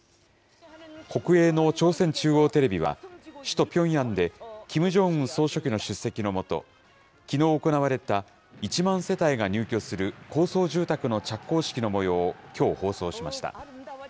国営の朝鮮中央テレビは、首都ピョンヤンで、キム・ジョンウン総書記の出席のもと、きのう行われた１万世帯が入居する高層住宅の着工式のもようをきょう、放送しました。